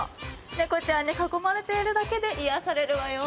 猫ちゃんに囲まれているだけで癒やされるわよ！